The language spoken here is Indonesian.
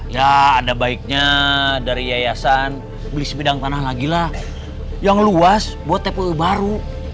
ya ada baiknya dari yayasan beli sebidang tanah lagi lah yang luas buat tpu baru